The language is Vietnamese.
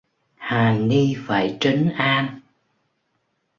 Hà ni phải trấn An